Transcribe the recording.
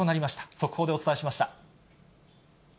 速報でお伝えしました。